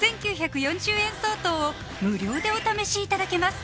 ５９４０円相当を無料でお試しいただけます